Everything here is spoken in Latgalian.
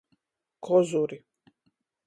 Kozuri.